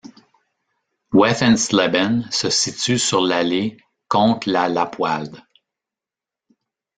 Wefensleben se situe sur l'Aller, contre la Lappwald.